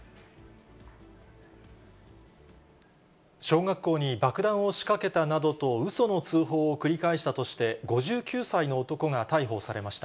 小学校に爆弾を仕掛けたなどとうその通報を繰り返したとして、５９歳の男が逮捕されました。